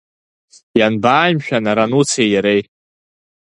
Ианбааи, мшәан, ара Нуцеи иареи?